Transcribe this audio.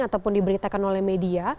ataupun diberitakan oleh media